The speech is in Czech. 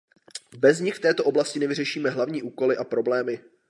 Bez nich v této oblasti nevyřešíme hlavní úkoly a problémy.